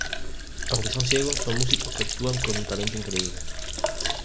Aunque son ciegos, son músicos que actúan con un talento increíble.